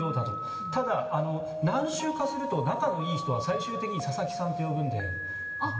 ただ、何周かすると仲の良い人は最終的に佐々木さんと呼ぶので。